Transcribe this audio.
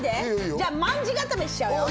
じゃあ、卍固めしちゃうよ！